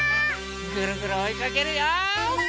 ぐるぐるおいかけるよ！